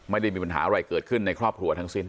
ไม่ได้มีปัญหาอะไรเกิดขึ้นในครอบครัวทั้งสิ้น